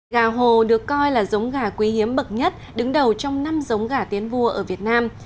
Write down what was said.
gà hồ được coi là giống gà quý hiếm bậc nhất đứng đầu trong năm giống gà tiến vua ở việt nam